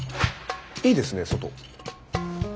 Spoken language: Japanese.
いいですね外。